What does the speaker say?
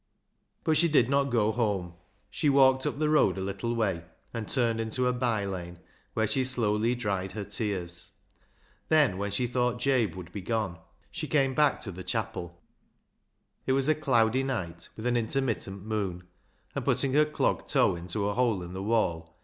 But she did not go home. She walked up the road a little way, and turned into a by lane, where she slowly dried her tears. Then when she thought Jabe would be gone she came back to the chapel. It was a cloudy night, with an intermittent moon, and putting her clog toe into a hole in the wall.